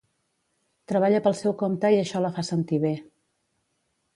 Treballa pel seu compte i això la fa sentir bé.